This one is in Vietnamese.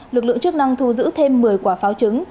lực lượng chức năng thu giữ thêm một mươi quả pháo trứng